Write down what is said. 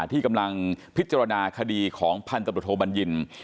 ที่กำลังพิจารณาคดีของพันธบทโทบัญญิน